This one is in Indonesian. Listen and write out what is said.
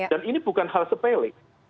dan ini bukan hal sepele